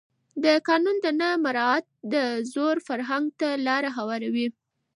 د قانون نه مراعت د زور فرهنګ ته لاره هواروي